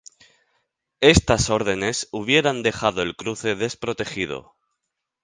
Estas órdenes hubieran dejado el cruce desprotegido.